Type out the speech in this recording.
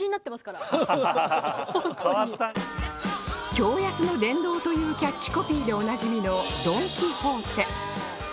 驚安の殿堂というキャッチコピーでおなじみのドン・キホーテ